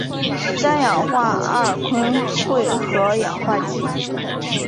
三氧化二砷会和氧化剂。